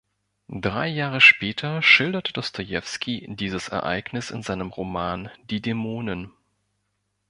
Drei Jahre später schilderte Dostojewski dieses Ereignis in seinem Roman "Die Dämonen".